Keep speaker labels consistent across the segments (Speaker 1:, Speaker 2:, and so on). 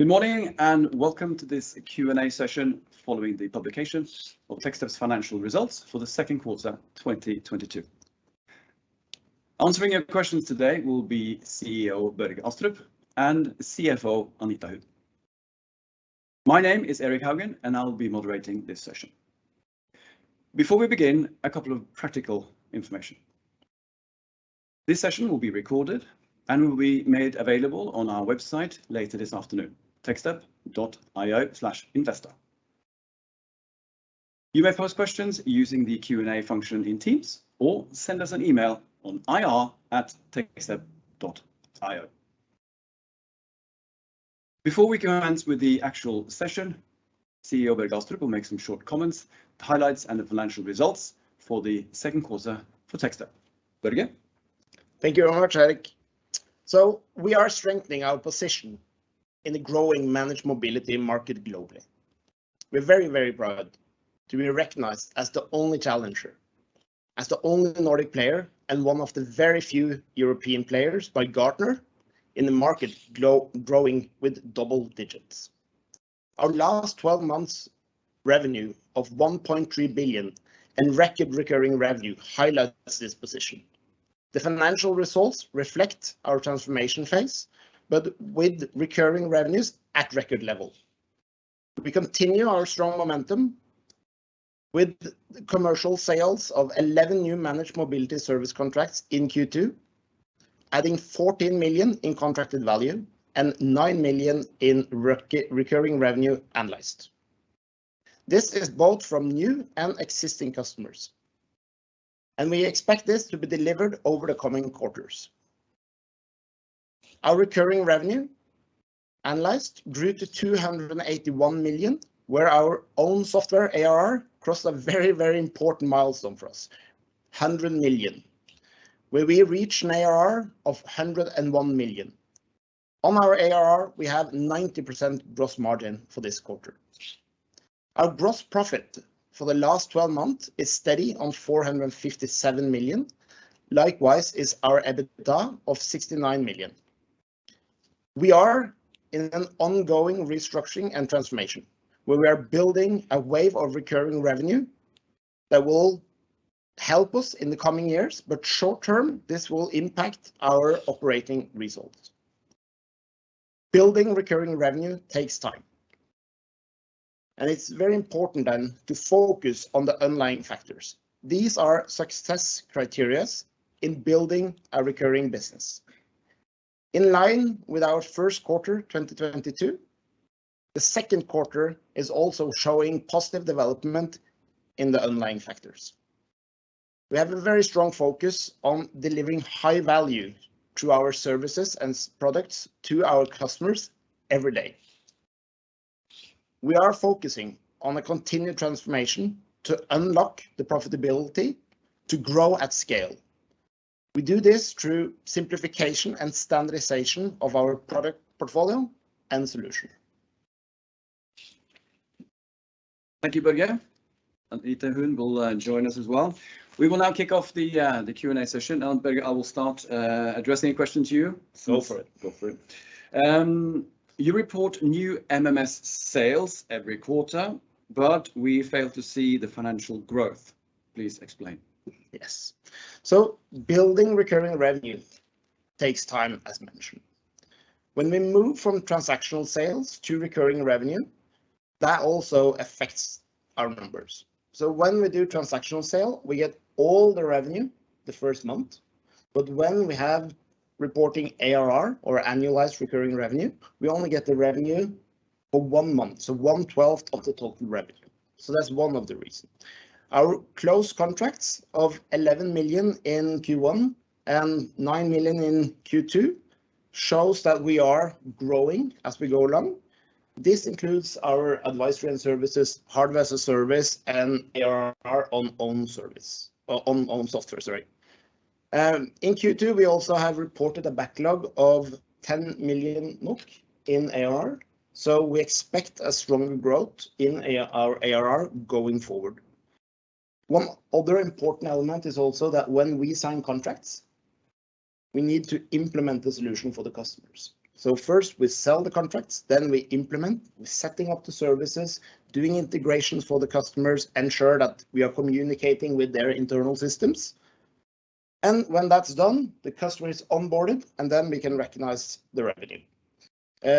Speaker 1: Good morning, and welcome to this Q&A session following the publications of Techstep's financial results for the second quarter 2022. Answering your questions today will be CEO Børge Astrup and CFO Anita Huun. My name is Erik Haugen, and I'll be moderating this session. Before we begin, a couple of practical information. This session will be recorded and will be made available on our website later this afternoon, techstep.io/investor. You may pose questions using the Q&A function in Teams, or send us an email on ir@techstep.io. Before we commence with the actual session, CEO Børge Astrup will make some short comments, the highlights, and the financial results for the second quarter for Techstep. Børge?
Speaker 2: Thank you very much, Erik. We are strengthening our position in the growing managed mobility market globally. We're very, very proud to be recognized as the only challenger, as the only Nordic player, and one of the very few European players by Gartner in the market growing with double digits. Our last 12 months revenue of 1.3 billion and record recurring revenue highlights this position. The financial results reflect our transformation phase, but with recurring revenues at record level. We continue our strong momentum with commercial sales of 11 new managed mobility service contracts in Q2, adding 14 million in contracted value and 9 million in recurring revenue annualized. This is both from new and existing customers, and we expect this to be delivered over the coming quarters. Our recurring revenue annualized grew to 281 million, where our own software ARR crossed a very, very important milestone for us, 100 million, where we reach an ARR of 101 million. On our ARR, we have 90% gross margin for this quarter. Our gross profit for the last 12 months is steady on 457 million. Likewise is our EBITDA of 69 million. We are in an ongoing restructuring and transformation, where we are building a wave of recurring revenue that will help us in the coming years. Short-term, this will impact our operating results. Building recurring revenue takes time, and it's very important then to focus on the underlying factors. These are success criteria in building a recurring business. In line with our first quarter 2022, the second quarter is also showing positive development in the underlying factors. We have a very strong focus on delivering high value through our services and products to our customers every day. We are focusing on a continued transformation to unlock the profitability to grow at scale. We do this through simplification and standardization of our product portfolio and solution.
Speaker 1: Thank you, Børge. Anita Huun will join us as well. We will now kick off the Q&A session. Børge, I will start addressing a question to you.
Speaker 2: Go for it.
Speaker 1: You report new MMS sales every quarter, but we fail to see the financial growth. Please explain.
Speaker 2: Yes. Building recurring revenue takes time, as mentioned. When we move from transactional sales to recurring revenue, that also affects our numbers. When we do transactional sale, we get all the revenue the first month. When we have reporting ARR, or annualized recurring revenue, we only get the revenue for one month, so 1/12 of the total revenue. That's one of the reason. Our closed contracts of 11 million in Q1 and 9 million in Q2 shows that we are growing as we go along. This includes our advisory and services, Hardware as a Service, and ARR on own software. In Q2, we also have reported a backlog of 10 million NOK in ARR, so we expect a stronger growth in our ARR going forward. One other important element is also that when we sign contracts, we need to implement the solution for the customers. First, we sell the contracts, then we implement with setting up the services, doing integrations for the customers, ensure that we are communicating with their internal systems. When that's done, the customer is onboarded, and then we can recognize the revenue.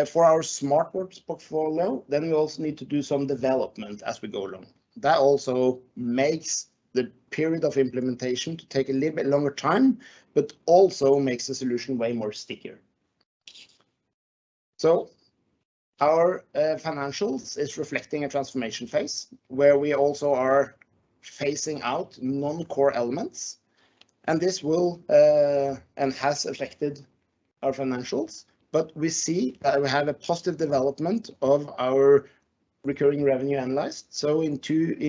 Speaker 2: For our Smartwork portfolio, then we also need to do some development as we go along. That also makes the period of implementation to take a little bit longer time, but also makes the solution way more stickier. Our financials is reflecting a transformation phase, where we also are phasing out non-core elements, and this will and has affected our financials. We see that we have a positive development of our recurring revenue annualized. in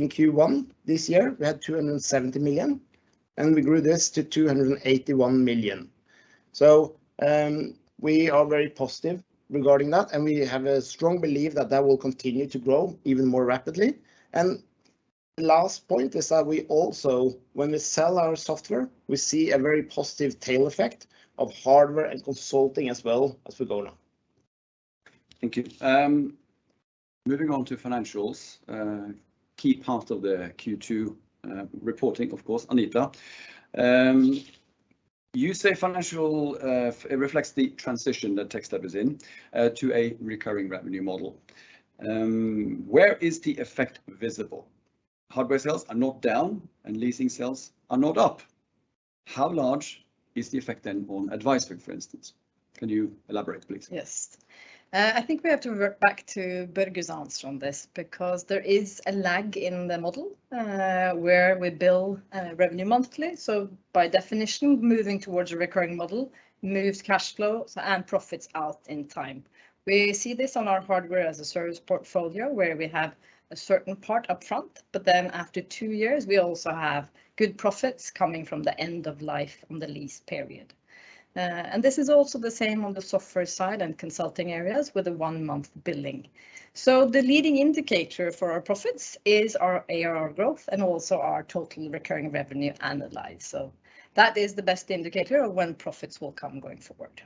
Speaker 2: Q1 this year, we had 270 million, and we grew this to 281 million. We are very positive regarding that, and we have a strong belief that that will continue to grow even more rapidly. Last point is that we also, when we sell our software, we see a very positive tail effect of hardware and consulting as well as we go now.
Speaker 1: Thank you. Moving on to financials, key part of the Q2 reporting, of course, Anita. You say it reflects the transition that Techstep is in to a recurring revenue model. Where is the effect visible? Hardware sales are not down and leasing sales are not up. How large is the effect then on advisory, for instance? Can you elaborate, please?
Speaker 3: Yes. I think we have to go back to Børge's answer on this, because there is a lag in the model, where we bill revenue monthly. By definition, moving towards a recurring model moves cash flows and profits out in time. We see this on our Hardware as a Service portfolio where we have a certain part up front, but then after two years, we also have good profits coming from the end of life on the lease period. This is also the same on the software side and consulting areas with a one-month billing. The leading indicator for our profits is our ARR growth and also our total recurring revenue annualized. That is the best indicator of when profits will come going forward.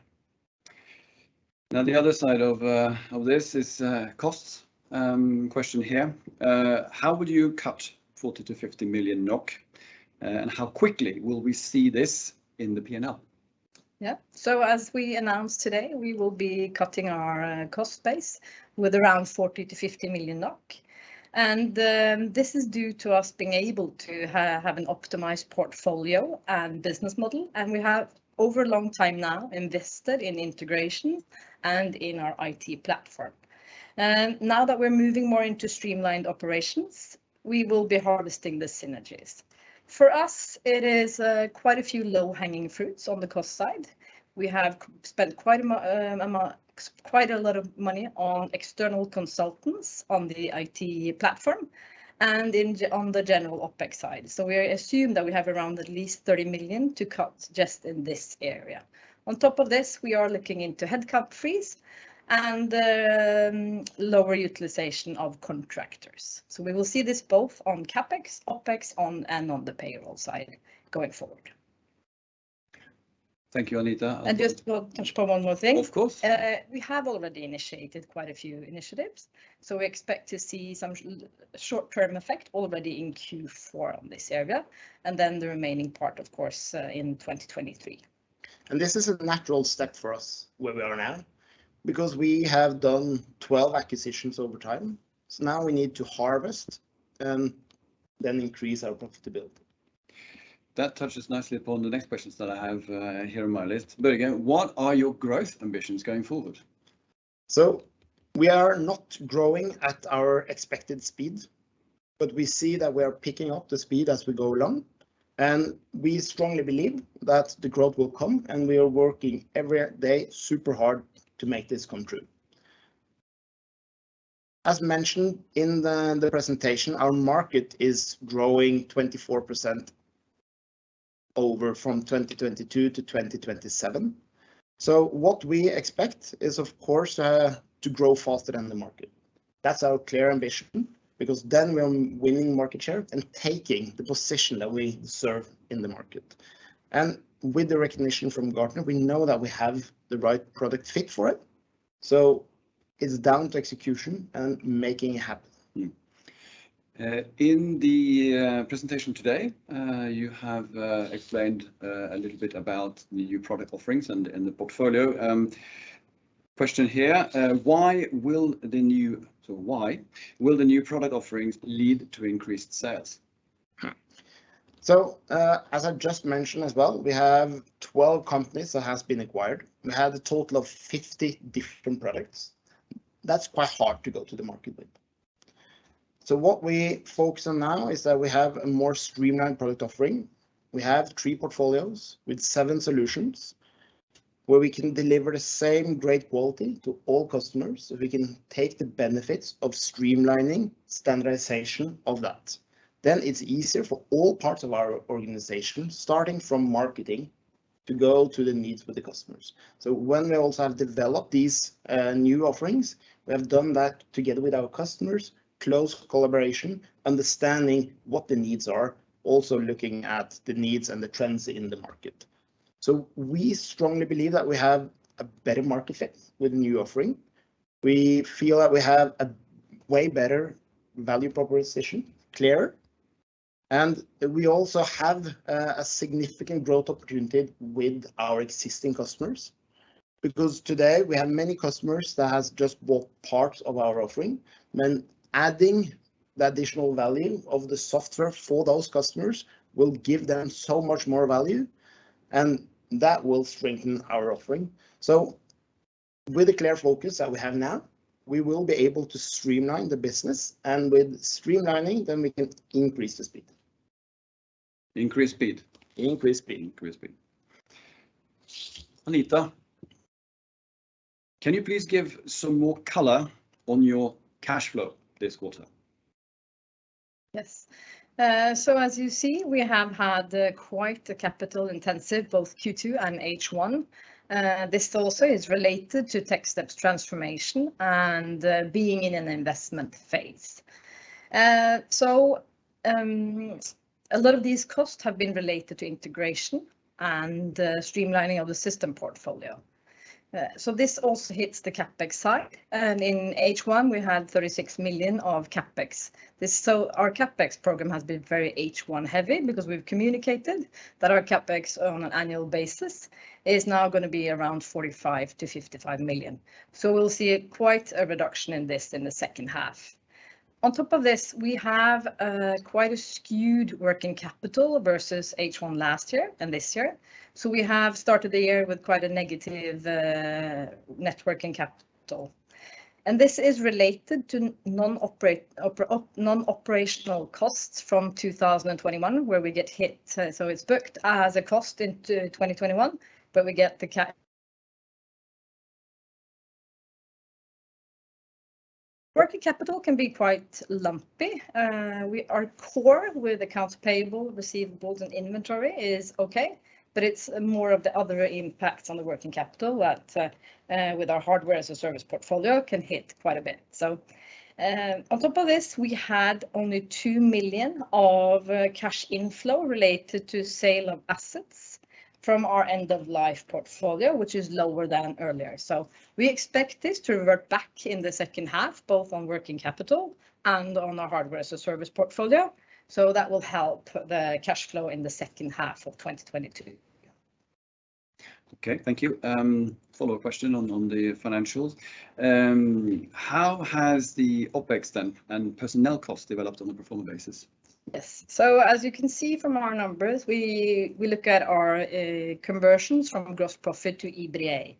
Speaker 1: Now, the other side of this is costs. Question here, how would you cut 40 million-50 million NOK, and how quickly will we see this in the P&L?
Speaker 3: Yeah. As we announced today, we will be cutting our cost base with around 40 million-50 million NOK, and this is due to us being able to have an optimized portfolio and business model, and we have over a long time now invested in integration and in our IT platform. Now that we're moving more into streamlined operations, we will be harvesting the synergies. For us, it is quite a few low-hanging fruits on the cost side. We have spent quite a lot of money on external consultants on the IT platform and on the general OpEx side. We assume that we have around at least 30 million to cut just in this area. On top of this, we are looking into head count freeze and lower utilization of contractors. We will see this both on CapEx, OpEx, and on the payroll side going forward.
Speaker 1: Thank you, Anita.
Speaker 3: Just to touch upon one more thing.
Speaker 1: Of course.
Speaker 3: We have already initiated quite a few initiatives, so we expect to see some short-term effect already in Q4 on this area, and then the remaining part, of course, in 2023.
Speaker 2: This is a natural step for us where we are now, because we have done 12 acquisitions over time. Now we need to harvest, and then increase our profitability.
Speaker 1: That touches nicely upon the next questions that I have, here on my list. Børge, what are your growth ambitions going forward?
Speaker 2: We are not growing at our expected speed, but we see that we are picking up the speed as we go along, and we strongly believe that the growth will come, and we are working every day super hard to make this come true. As mentioned in the presentation, our market is growing 24% over from 2022 to 2027. What we expect is, of course, to grow faster than the market. That's our clear ambition, because then we are winning market share and taking the position that we deserve in the market. With the recognition from Gartner, we know that we have the right product fit for it, so it's down to execution and making it happen.
Speaker 1: In the presentation today, you have explained a little bit about the new product offerings and the portfolio. Question here, why will the new product offerings lead to increased sales?
Speaker 2: As I just mentioned as well, we have 12 companies that has been acquired. We have a total of 50 different products. That's quite hard to go to the market with. What we focus on now is that we have a more streamlined product offering. We have three portfolios with seven solutions where we can deliver the same great quality to all customers, so we can take the benefits of streamlining, standardization of that. It's easier for all parts of our organization, starting from marketing, to go to the needs with the customers. When we also have developed these new offerings, we have done that together with our customers, close collaboration, understanding what the needs are, also looking at the needs and the trends in the market. We strongly believe that we have a better market fit with the new offering. We feel that we have a way better value proposition, clear, and we also have a significant growth opportunity with our existing customers. Because today we have many customers that has just bought parts of our offering, then adding the additional value of the software for those customers will give them so much more value, and that will strengthen our offering. With the clear focus that we have now, we will be able to streamline the business, and with streamlining, then we can increase the speed.
Speaker 1: Increase speed.
Speaker 2: Increase speed.
Speaker 1: Increase speed. Anita, can you please give some more color on your cash flow this quarter?
Speaker 3: Yes. As you see, we have had quite a capital-intensive both Q2 and H1. This also is related to Techstep's transformation and, being in an investment phase. A lot of these costs have been related to integration and, streamlining of the system portfolio. This also hits the CapEx side, and in H1 we had 36 million of CapEx. Our CapEx program has been very H1 heavy because we've communicated that our CapEx on an annual basis is now gonna be around 45 million-55 million. We'll see quite a reduction in this in the second half. On top of this, we have quite a skewed working capital versus H1 last year and this year, so we have started the year with quite a negative net working capital. This is related to non-operational costs from 2021 where we get hit, so it's booked as a cost into 2021. Working capital can be quite lumpy. Our core with accounts payable, receivables and inventory is okay, but it's more of the other impacts on the working capital that with our Hardware as a Service portfolio can hit quite a bit. On top of this we had only 2 million cash inflow related to sale of assets from our end of life portfolio which is lower than earlier. We expect this to revert back in the second half, both on working capital and on our Hardware as a Service portfolio, so that will help the cash flow in the second half of 2022.
Speaker 1: Okay, thank you. Follow-up question on the financials. How has the OpEx then and personnel costs developed on a pro forma basis?
Speaker 3: Yes. As you can see from our numbers, we look at our conversions from gross profit to EBITDA.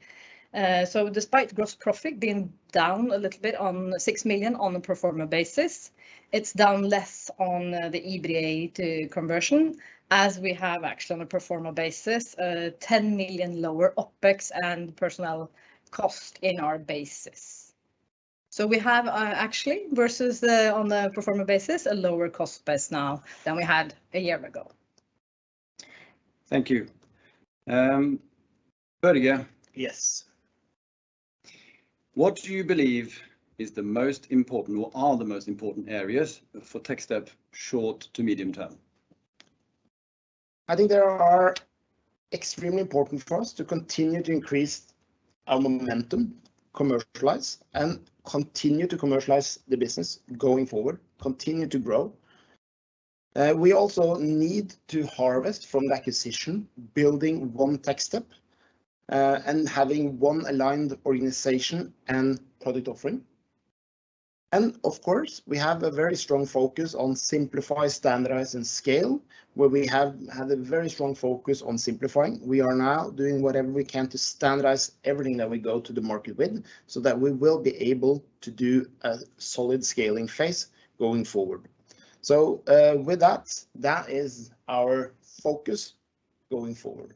Speaker 3: Despite gross profit being down a little bit on 6 million on a pro forma basis, it's down less on the EBITDA conversion as we have actually on a pro forma basis a 10 million lower OpEx and personnel cost in our basis. We have actually versus on the pro forma basis, a lower cost base now than we had a year ago.
Speaker 1: Thank you. Børge?
Speaker 2: Yes.
Speaker 1: What do you believe is the most important, or are the most important areas for Techstep short to medium term?
Speaker 2: I think they are extremely important for us to continue to increase our momentum, commercialize, and continue to commercialize the business going forward, continue to grow. We also need to harvest from the acquisition, building one Techstep, and having one aligned organization and product offering. Of course, we have a very strong focus on simplify, standardize, and scale. Where we have had a very strong focus on simplifying, we are now doing whatever we can to standardize everything that we go to the market with so that we will be able to do a solid scaling phase going forward. With that is our focus going forward.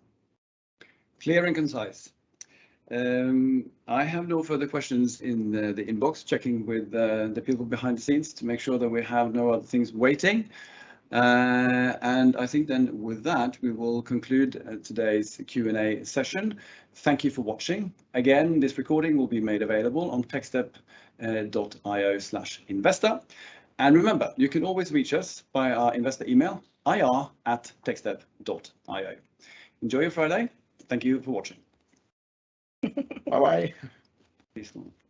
Speaker 1: Clear and concise. I have no further questions in the inbox. Checking with the people behind the scenes to make sure that we have no other things waiting. I think then with that we will conclude today's Q&A session. Thank you for watching. Again, this recording will be made available on techstep.io/investor. Remember, you can always reach us by our investor email, ir@techstep.io. Enjoy your Friday. Thank you for watching.
Speaker 2: Bye-bye.
Speaker 1: Peace out.